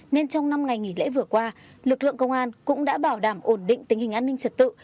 nên trong năm ngày nghỉ lễ vừa qua lực lượng công an cũng đã bảo đảm ổn định tình hình an ninh trật tự